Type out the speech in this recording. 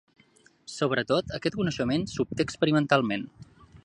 Sobretot, aquest coneixement s'obté experimentalment.